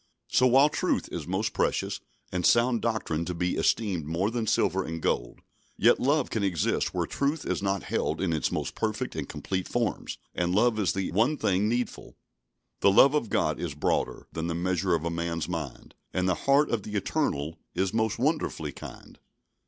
So, while truth is most precious, and sound doctrine to be esteemed more than silver and gold, yet love can exist where truth is not held in its most perfect and complete forms, and love is the one thing needful. "The love of God is broader Than the measure of man's mind: And the heart of the Eternal Is most wonderfully kind."